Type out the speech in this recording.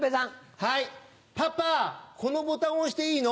パパこのボタン押していいの？